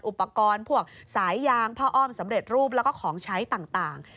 อุปกรณ์พวกสายยางผ้าอ้อมสำเร็จรูปแล้วก็ของใช้ต่าง